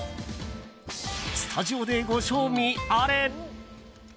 スタジオでご賞味あれ。